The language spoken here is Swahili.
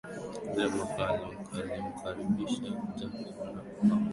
Yule mwanamke alimkaribisha Jacob na pembeni kukiwa na Watoto wa familia ile